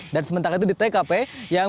dan sementara itu di tkp yang